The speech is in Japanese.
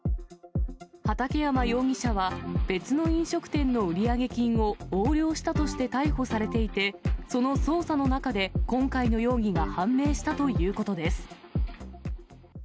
畠山容疑者は別の飲食店の売上金を横領したとして逮捕されていて、その捜査の中で、今回の容疑が判明したということです。